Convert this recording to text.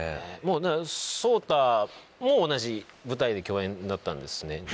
想太も同じ舞台で共演だったんですね。